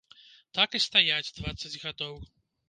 Так і стаяць дваццаць гадоў.